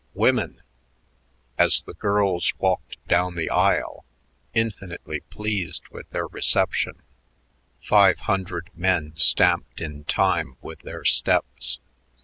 Wimmen!" As the girls walked down the aisle, infinitely pleased with their reception, five hundred men stamped in time with their steps.